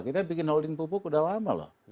kita bikin holding pupuk udah lama loh